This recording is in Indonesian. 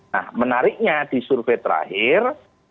nah menariknya di survei terakhir